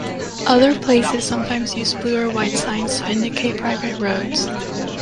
Other places sometimes use blue or white signs to indicate private roads.